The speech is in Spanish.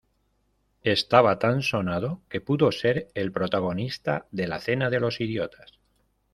Estaba tan sonado que pudo ser el protagonista de la cena de los idiotas.